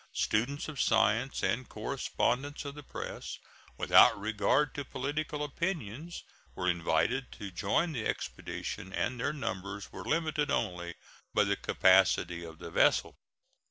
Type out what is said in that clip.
Students of science and correspondents of the press, without regard to political opinions, were invited to join the expedition, and their numbers were limited only by the capacity of the vessel.